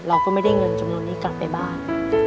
เราก็ไม่ได้เงินจำนวนนี้กลับไปบ้าน